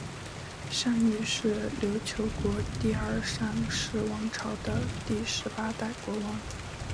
尚育是琉球国第二尚氏王朝的第十八代国王。